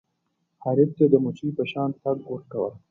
حریف ته د مچۍ په شان ټک ورکوه.